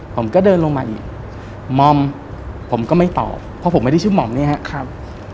ผมก็เดินลงมาอีกหม่อมผมก็ไม่ตอบเพราะผมไม่ได้ชื่อหม่อมเนี่ยครับ